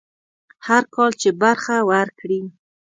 هر کال چې برخه ورکړي.